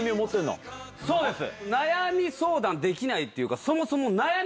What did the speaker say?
悩み相談できないっていうか。